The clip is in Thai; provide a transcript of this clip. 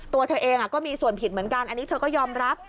ตัวเธอเองก็มีส่วนผิดเหมือนกันอันนี้เธอก็ยอมรับ